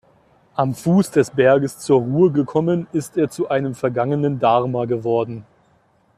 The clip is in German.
Am Fuß des Berges zur Ruhe gekommen, ist er zu einem vergangenen dharma geworden.